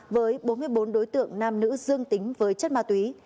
với bốn mươi bốn đối tượng nam nữ dương tính với chất ma túy